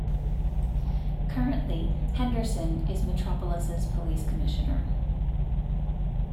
Currently, Henderson is Metropolis' police commissioner.